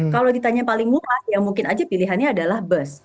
kalau ditanya paling murah ya mungkin aja pilihannya adalah bus